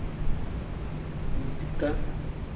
Mbiika.